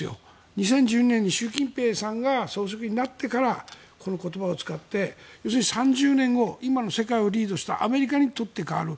２０１２年に習近平さんが総書記になってからこの言葉を使って要するに、３０年後今の世界をリードしたアメリカに取って代わる。